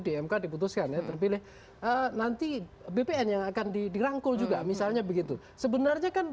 di mk diputuskan ya terpilih nanti bpn yang akan dirangkul juga misalnya begitu sebenarnya kan